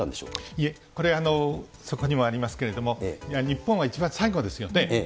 いえ、これはそこにもありますけれども、日本は一番最後ですよね。